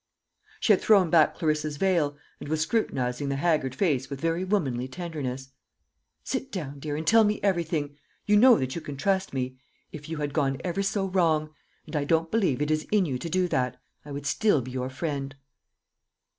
She had thrown back Clarissa's veil, and was scrutinising the haggard face with very womanly tenderness. "Sit down, dear, and tell me everything. You know that you can trust me. If you had gone ever so wrong and I don't believe it is in you to do that I would still be your friend."